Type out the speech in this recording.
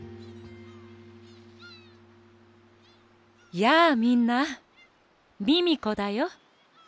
やあみんなミミコだよ。